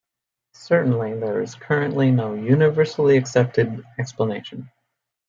Certainly there is currently no universally-accepted explanation.